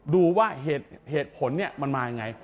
ดูว่าเหตุผลมันมายังไง